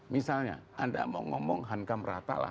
misalnya anda mau ngomong hankam rata lah